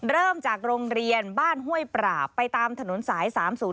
เริ่มจากโรงเรียนบ้านห้วยปราบไปตามถนนสาย๓๐๔